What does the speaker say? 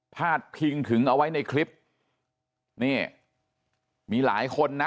ดพิงถึงเอาไว้ในคลิปนี่มีหลายคนนะ